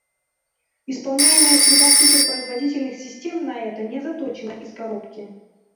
Исполняемая среда супер-производительных систем на это не заточена «из коробки»